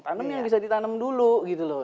tanam yang bisa ditanam dulu gitu loh